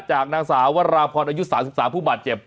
จากนางสาววราพรอายุ๓๓ผู้บาดเจ็บ